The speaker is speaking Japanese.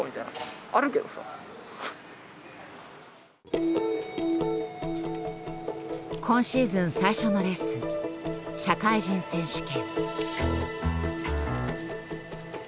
うん今シーズン最初のレース社会人選手権。